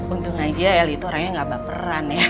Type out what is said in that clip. untung aja el itu orangnya gak baperan ya